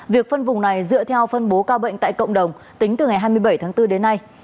việc phân vùng này dựa theo phân bố ca bệnh tại cộng đồng tính từ ngày hai mươi bảy tháng bốn đến nay